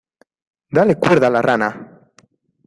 ¡ Dale cuerda a la rana!